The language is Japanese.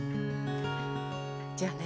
じゃあね。